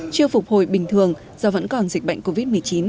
chưa phục hồi bình thường do vẫn còn dịch bệnh covid một mươi chín